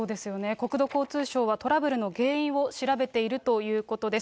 国土交通省は、トラブルの原因を調べているということです。